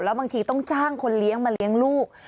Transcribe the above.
บางทีต้องจ้างคนเลี้ยงมาเลี้ยงลูก